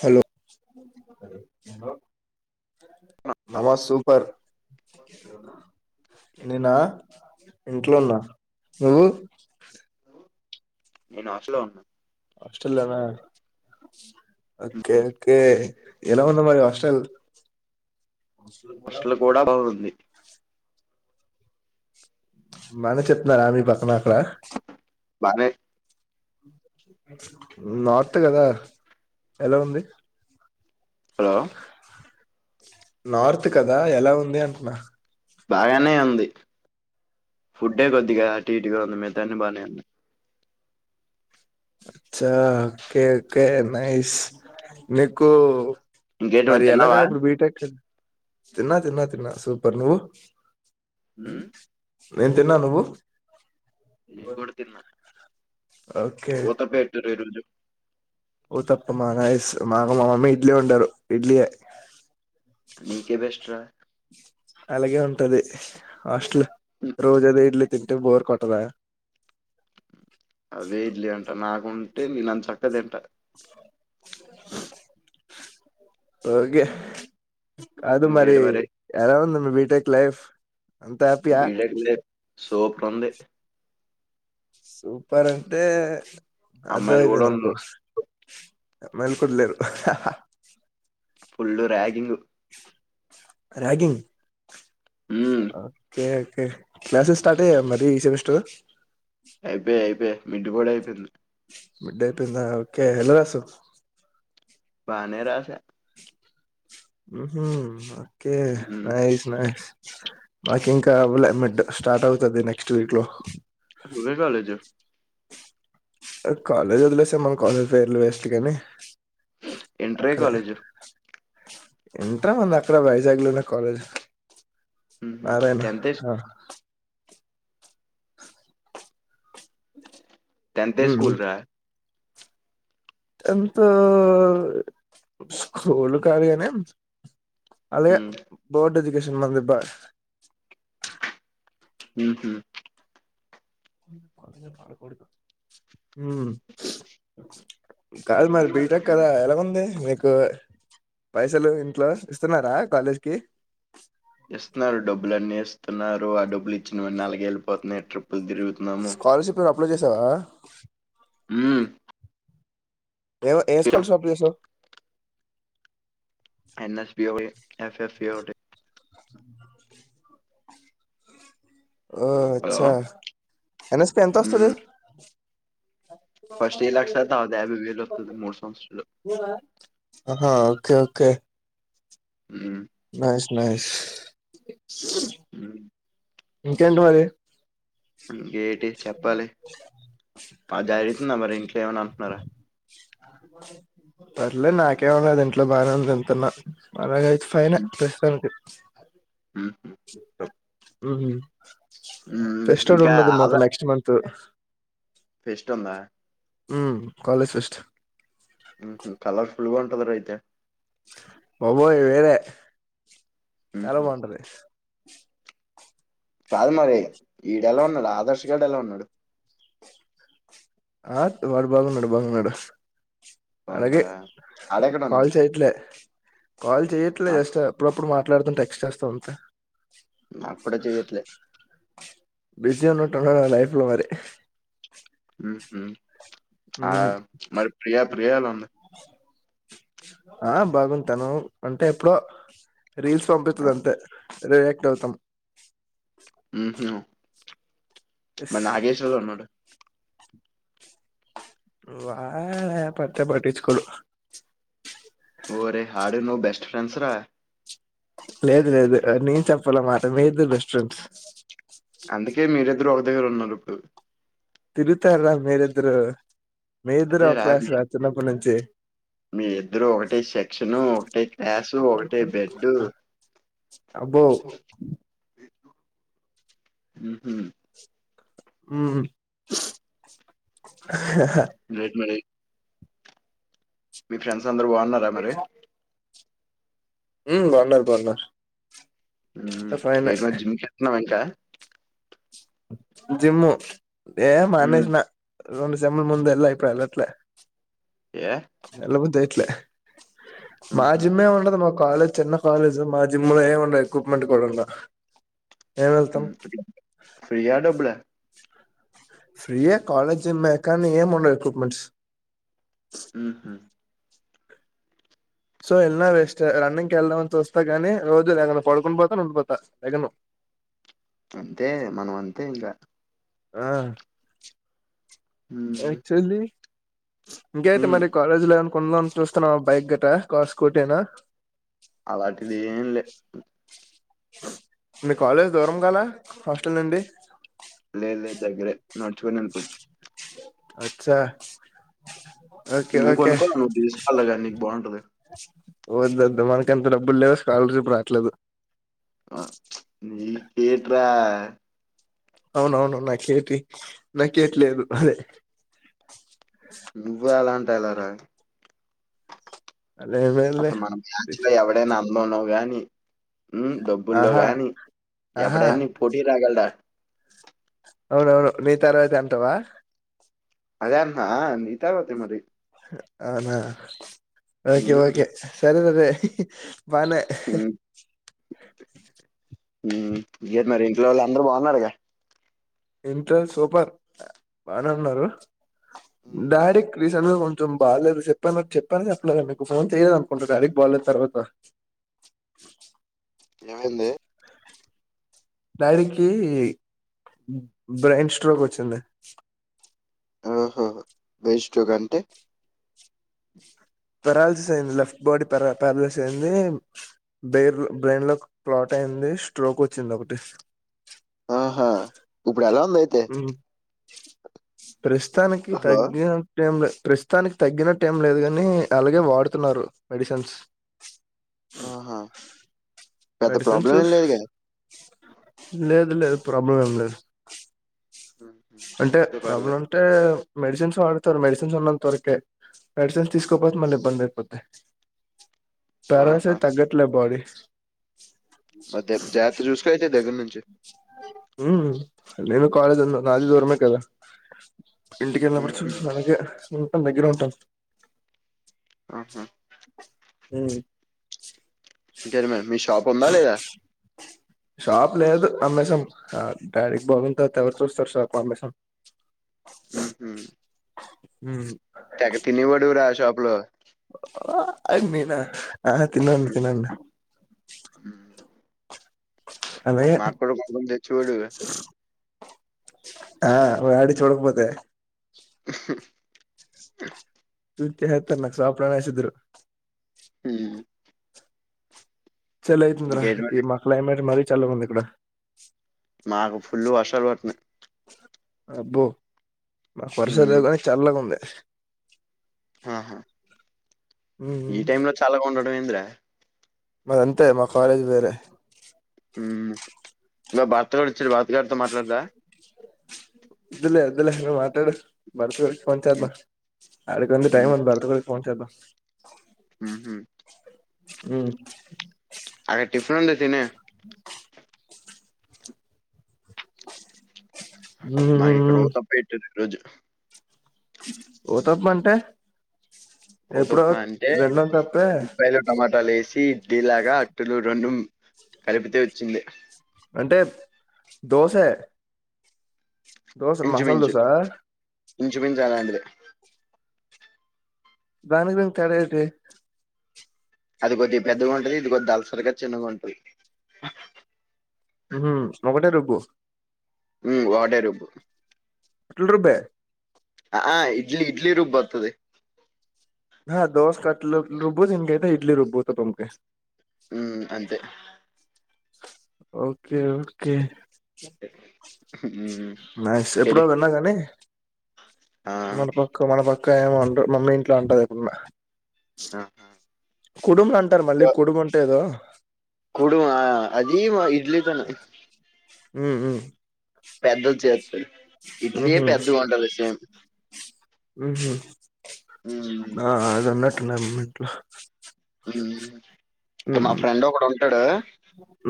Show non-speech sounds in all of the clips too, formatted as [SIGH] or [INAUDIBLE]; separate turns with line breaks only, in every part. Hello మామ super
ఎక్కడ
నేనా
ఉన్నావ్
ఇంట్లో ఉన్నా నువ్వు
నేను హాస్టల్ లో ఉన్నా.
హాస్టల్లో నా ఓకే ఓకే ఎలా ఉంది మరి హాస్టల్
హాస్టల్ కూడా బాగుంది
బానే చెప్తున్నారా ఆ మీ పక్కన అక్కడ.
బానే
నార్త్ కదా ఎలా ఉంది
హలో
నార్త్ కదా ఎలా ఉంది అంటున్నా
బాగానే ఉంది ఫుడ్డే కొద్దిగా అటు ఇటుగా ఉంది మితాన్ని బాగానే ఉంది.
అచ్చ ఓకే ఓకే నైస్ నీకు
ఇంకేంటి
మరి ఎలాగా
తిన్నావా
ఇప్పుడు బీటెక్ తిన్నా తిన్నా తిన్నా సూపర్ నువ్వు.
ఉమ్,
నేను తిన్నా నువ్వు.
నేను కూడా తిన్నా.
ఓకే
ఊతప్ప ఎంత రేటు ఉంది చెప్పు
ఊతప్పమా నైస్ మాగా మా మమ్మీ ఇడ్లీ వండారు ఇడ్లీయే
నీకే బెస్ట్ రా
అలాగే ఉంటాది హాస్టల్
ఉమ్,
రోజు అదే ఇడ్లీ. తింటే బోర్ కోట్టదా
అదే ఇడ్లీ అంటా నాకు ఉంటే నేను అంత చక్కగా తింటా
ఓకే అది మరి ఎలా ఉంది మీ బీటెక్ లైఫ్ అంత హ్యాపీ యా
బీటెక్ లేదు సూపర్ ఉంది
సూపర్ అంటే అర్థం
అమ్మాయిలు కూడా
అయిపోయింది నాకు
ఉన్నారు
మేల్కొని లేరు హాహా
full ragging
ragging
um,
okay okay classes start అయ్యా మరి ఈ సెమెస్టర్
అయిపోయి అయిపోయాయి మిడ్ కూడ అయిపోయింది
మిడ్ అయిపొయింద ఓకే ఏలా రాసావ్
బానేరాస
ఉం హు ఓకే
ఉమ్,
నైస్ నైస్ మాకు ఇంక అవ్వల మిడ్ స్టార్ట్ అవుతది నెక్స్ట్ వీక్ లో
నువ్వు ఏ కాలేజ్
కాలేజ్ వదిలేస్తే మన కాలేజ్ పేర్లు వేస్ట్ కానీ
ఇంటర్ ఏ కాలేజ్
ఇంటర్ ఏముందు అక్కడె వైజాగ్ లోనే కాలేజ్ నారాయణ
టెన్త్
అ
టెన్త్ ఏ స్కూల్ రా
టెన్త్ఊ స్కూల్ కాదు కానీ అలాగే
హ్మ్
బోర్డు ఎడ్యుకేషన్ మందబ్బా
ఉం హు
కొ భడ పదు [INAUDIBLE] కాదు మరి బీటెక్ కదా ఎలా ఉంది మీకు పైసలు ఇంట్లో ఇస్తున్నరా కాలేజ్ కీ
ఇస్తున్నరు డబ్బులున్న ఇస్తున్నారు ఆ డబ్బులు ఇచ్చినవన్ని అలాగే వెళ్ళిపోతున్నాయ్ తిరుగుతున్నాము
స్కాలర్‌షిప్ అప్లై చేసావా
మ్
ఏ ఏ స్కాల షాప్ పో చేసావ్
న్సపఫప్ట్ [UNINTELLIGIBLE]
ఓ అచ్చ
హలో
ఎనఎస్ పి ఎంత
హ్మ్
వస్తాది
ఫస్ట్ ఏ లక్ష తర్వాత యాభై వేలు వస్తాది మూడు సంవత్సరాలు
అ హా ఓకే ఓకే
మ్
నైస్ నైస్
హ్మ్
ఇంకేంటి మరి
ఇంకేటి చెప్పాలి అ జరుగుతుంద మరి ఇంట్లో ఏమనన్న అంటున్నారా
పర్లేదు నాకేమన్నా అది ఇంట్లో బాగానే ఎంతన్న అలాగ ఫైనే ప్రస్తుతానికి
హ్మ్
ఉం హు
హ్మ్
ఫెస్టివల్
ఇంకా
ఉండదు
ఆదా
మాకు నెక్స్ట్ మంత్
ఫెస్ట్ ఉందా
ఉ కాలేజ్ ఫెస్ట్
ఉ హు కలరఫుల్ గా ఉంటది రా అయితే
బాబోయ్ వేరే చాలా
హుహు
బాగుంటది
కాదు మరి ఈడెలా ఉన్నాడు ఆధార్ష్ గాడు ఎలా ఉన్నాడు
అ వాడు బాగున్నాడు బాగున్నాడు అలాగే
బావున్నాడా? ఆడెక్కడ
కాల్
ఉన్నాడు?
చేయట్లే కాల్
నా
చేయట్లేదు జస్ట్ అప్పుడప్పుడు మాట్లాడుతు టెక్స్ట్ చేస్తా అంతే
నా కూడ చెయట్లే
బిజీ ఉన్నట్టు ఉన్నాడు లైఫ్ లో మరి
ఉహు ఆ
మ్మ్
మరి ప్రియా ప్రియ ఎలా ఉంది?
అ బాగుంది తను అంటే ఎప్పుడో రీల్స్
ఆ!
పంపిస్తది అంతే. రియాక్ట్ అవుతాం.
ఉహు
ఎస్
మరి నాగేశ్వర్ ఉన్నాడ?
వాడా పట్టే పటిచ్చుకోడు.
ఓరే ఆడు నువ్ బెస్ట్ ఫ్రెండ్స్ రా!
లేదు లేదు నేను చెప్పాలామాట మీ ఇద్దరు బెస్ట్ ఫ్రెండ్స్
అందుకే మీరిద్దరు ఒక దగ్గర ఉన్నరు ఇప్పుడు.
తిరుగుతార్రా మీరిద్దరు, మీ ఇద్దరు ఒక
అదేరా
క్లాస్
మీ
రా చిన్నప్పటినుంచి
మీ ఇద్దరు ఒకటే సెక్షన్, ఒకటే క్లాసు, ఒకటే బెడ్డు.
అబ్బో
ఉహు
ఉమ్
ఇంకేంటి మరి? మీ ఫ్రెండ్స్ అందరు బాగున్నారా మరి?
ఉమ్ బాగున్నారు బాగున్నారు ఫైనే
ఏరా జిమ్ కెళ్తున్నావా ఇంకా?
జమ్మూ ఏ
హ్మ్.
మానేసిన, రెండు సేమ్ల ముందు ఎల్లా ఇపుడేళ్ళట్లే.
ఏ?
ఎల్లబుద్దయట్లే మా
హుహు.
జిమ్ ఏం ఉండదు మో కాలేజ్ చిన్న కాలేజు, మా జిమ్ లో ఏం ఉండవు, ఎక్విప్మెంట్ కూడా ఉండవ్.
ఫ్రీయా డబ్బులా?
ఫ్రీయే కాలేజ్ జిమ్మె కాని ఏముండవ్ ఎక్విప్మెంట్స్.
ఉహు
సో ఎళ్ళినా వేస్ట్ రన్నింగ్కి ఎళ్దామని చూస్తా కాని రోజు లేగను, పడుకుని పోతా ఉండిపోతా లెగను
అంతే మనమంతే ఇంగ
ఆ
హ్మ్.
యాక్చువల్లీ ఇంక అయితే
హ్మ్.
మరి కాలేజీ లో ఏం కున్మామ్ చూస్తున్నావా బైక్ గిటా, కార్, స్కూటీ ఏన
అలాంటిది ఏంలే
మీ కాలేజ్ దూరం కల హాస్టల్ నుండి
లే లే దగ్గరే నడుచుకుంట ఎల్లిపోవచ్చు.
అచ్చా ఓకే
నువ్వు
ఓకే
కొనుక్కవాల, నువ్వు తీసుకవాల కా నీకు బాగుంటది.
వొద్దొద్దు మనకంత డబ్బులేవు, స్కాలర్షిప్ రావట్లేదు
ఆ నీకెట్రా
అవునవును నాకేటి, నాకేట్లేదు అదే
నువ్వె అలా అంటే ఎలా రా?
అదేమేలే
అసలు మన బ్యాచ్లో ఎవడైన అన్ అందంలో గాని, ఉమ్ డబ్బుల్లో
ఆహా
గాని
ఆహా
ఎవడైనా నీకు పోటీ రాగలడా?
అవునవును నీ తర్వాతే అంటవా?
అదే అంటున్న ఆహ్ నీ తరువాతే మరి
అవునా ఓకే
ఉమ్,
ఓకే,
ఉమ్,
సరే సరే బానే
ఉమ్. ఇంకేటి మరి ఇంట్లో వాళ్ళు అందరు బాగున్నారుగా?
ఇంట్లోళ్ళు సూపర్, బానేఉన్నారు
ఉమ్,
డాడీకి తర్ లో కొంచెం బాగాలేదు చెప్పా చెప్పానా చెప్పలేదా నీకు, ఫోన్ చెయ్యలేదనుకుంట డాడీ కి బాగాలేదు తర్వాత
ఏమైంది?
డాడీకి బ్రెయిన్ స్ట్రోక్ వచ్చింది.
ఓహో బ్రెయిన్స్ట్రోక్ అంటే
పెరాలిసిస్ అయింది లెఫ్ట్ బాడీ పేర పారలైజ్ అయింది బెర్ బ్రెయిన్ లో క్లాట్ అ యింది స్ట్రోకోచ్చింది ఒకటి
ఆహా ఇప్పుడు ఎలా ఉంది అయితే
ఉమ్, ప్రస్తుతానికి
హలో
తగ్గినట్టేవుంది ప్రస్తుతానికి తగ్గినట్టు ఏం లేదు కాని అలాగే వాడుతున్నారు మెడిసిన్స్
ఆహా పెద్ద
మెడిసిన్స్
ప్రాబ్లం ఏం లేదుగా
లేదు లేదు ప్రాబ్లం ఏం లేద్
ఉమ్, ఉమ్.
అంటే
అయితే
ప్రాబ్లమ్
పర్లేదు
అంటే మెడిసిన్స్ వాడుతారు మెడిసిన్స్ ఉన్నంత వరకే మెడిసిన్ తీసుకోపోతే మళ్ళీ ఇబ్బంది అయిపోద్ధి ప్యారసి
ఆహా
తగ్గట్లే బాడీ
పోతే జాగ్రత చూస్కో అయితే దగ్గర్నుంచి
ఊ నేను కాలేజ్ అన్నా నాదిదూరమే కదా ఇంటికెళ్లినప్పుడు
మ్మ్హ్మ్.
చూస్కో అలాగే ఉంటాం దగ్గర ఉంటాం
ఆహా
ఊ
ఇంకేమీ మీ షాప్ ఉందా లేదా
షాప్ లేదు అమ్మేషాం ఆ డాడీకి బాగుంది తవాత ఎవరు చూస్తారు షాప్ అమ్మేసాం
ఉహు తెగ తినేవాడివీరా ఆ షాప్లో
ఓ ఆ నేనా ఆ తిన్నను తిన్నను
మాక్ కూడా కొంచెం తెచేవాడివి
ఆ డాడి చూడకపోతే చేతే ఎత్తరు నాకు షాప్లనే ఏసేదురు
ఊ
చలైతుందిర
ఇంకేంటి
ఈ
మరి
మా క్లైమేట్ మరి చల్లగుంది ఇక్కడ
మాకు ఫుల్లు వర్షాలు పతున్నాయి
అబ్బో మాకు వర్షాలు
మ్మ్.
లేవు కాని చల్లగుంది
ఆహా ఈ టైమ్ లో చాల్లగా ఉండడం ఏంద్ర
మాదంతే మా కాలేజ్ వేరే
ఇంగో భర్తగాడు వచ్చాడు బర్తగడితో మాట్లాడుదా
ద్దులే అద్దులే నువ్వు మాట్లాడు బర్త్ ఫోన్చేదం
మ్మ్.
అడికింది టైమ్ వుంద్ బర్దగోడికి ఫోన్ చేద్దాం
ఉహు
ఊ
ఆడ టిఫిన్ ఉండి తినే మాకు ఇక్కడ
ఉమ్,
ఉత్తప్పెపెట్టిల్లు ఈ రోజు
ఉత్తప్ప అంటె ఎప్పుడో
ఓతప్ప
విన్నాం తప్పే
ట్ట లేసి టిలాగా అట్లు రెండు కలిపితే ఓచ్చింది
అంటే దోసే దోస మసాలా దోసా
ఇంచు మించు అలాంటిదే
దానికి దీనికి తేడా ఏంటి
అది కొద్ది పెద్దగా ఉంటుది ఇది కొద్ది దలసరిగా చిన్నగంటది
ఉహు ఒకటే రుబ్బు
ఉ వాటేరుబ్బు
అట్లు రుబ్బె
ఆ ఆ ఇడ్లీ ఇడ్లీ రూబ్ వర్తది
హ దోస కట్లో రూబ్బుతు కతే ఇడ్లీ రూబ్బూతు తకాందే
ఉ అంతే
ఓకే ఓకే
ఉమ్,
మక్స ఎప్పుడో
ఇది
విన్నా కానీ
ఆ,
మన పక్క మన పక్క ఏమోంట మమ్మి ఇంట్లో అంటది ఎప్పుడున్నా
ఆ.
కుడుబ అంటారు మళ్ళీ కుడుబ ఉంటేదో
కుడుమా అదిీ మా ఇడ్లీతోను
ఉ
పెద్దలు చేస్త ఇడ్లీ పెద్దగా ఉంటారు సేమ్
ఉహ్రూఆ అదిన్నట్ల మిట్ల
అంటే మా ఫ్రెండ్ ఒకడు ఉంటాడు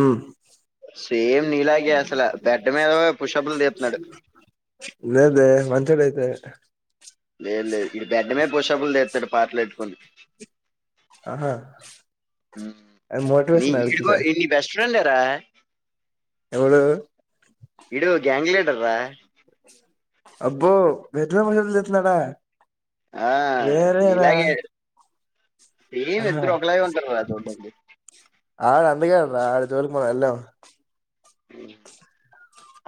ఉమ్
సేమ్నీలాగ అసలు బడ్డ మీద పుషపులు తీసు తు నాడు
లేదే మంచి బెత్
లేదు లేదు ఇడు బిడ్డమే పుషపులు తెస్తాడు పాటలు పెట్టుకని
ఆహా అది మోటివేషన్ అడికి సార్
నీ బెస్ట్ ఫ్రెడ్
ఎవడు
ఇడు గ్యాంగ్లీడర్ రా
అబ్బో వదనా భష చెతున్నాడా
ఆ!
వేరరా
ఏమి ఇద్దరు ఒకలా ఉంటారు కదా చూడ్డడి
అ అందె కె అడి జు లికి వెల మే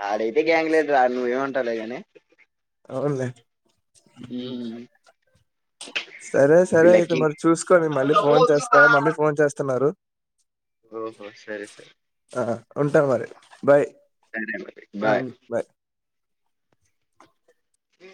ఆడైతే గ్యాంగ్లీడర్ ఆ నువ్వేమంటవు గానీ
అవును లె
ఉ
సరే సరే అయితే మరి చూసుకోని మళ్ళీ
ఓహో!
ఫోన్ చేస్తా మమ్మీ ఫోన్ చేస్తున్నారు
సరే సరే.
ఆహ ఉంటాం మరి బాయ్
సరే నండి బాయ్